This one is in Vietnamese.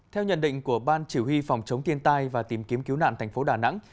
theo nhận định của ban chỉ huy phòng chống thiên tai và tìm kiếm cứu nạn thành phố đà nẵng